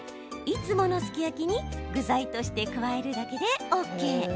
いつものすき焼きに具材として加えるだけでＯＫ。